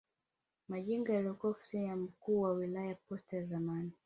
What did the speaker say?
Majengo yaliyokuwa ofisi ya mkuu wa wilaya posta ya zamani